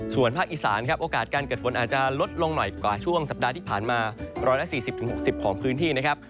ส่วนภาคอีสานครับโอกาสการเกิดฝนอาจจะลดลงหน่อยกว่าช่วงสัปดาห์ที่ผ่านมา๑๔๐๖๐ของพื้นที่นะครับ